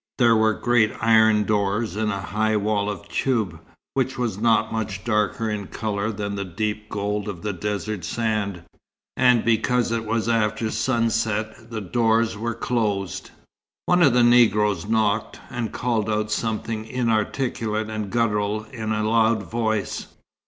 There were great iron doors in a high wall of toub, which was not much darker in colour than the deep gold of the desert sand; and because it was after sunset the doors were closed. One of the Negroes knocked, and called out something inarticulate and guttural in a loud voice.